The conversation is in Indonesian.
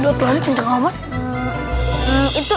itu itu kayaknya itu dia kebalik